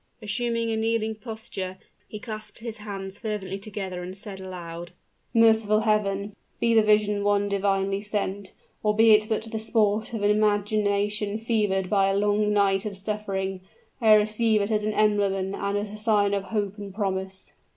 Assuming a kneeling posture, he clasped his hands fervently together, and said aloud, "Merciful Heaven! be the vision one divinely sent, or be it but the sport of an imagination fevered by a long night of suffering, I receive it as an emblem and as a sign of hope and promise!"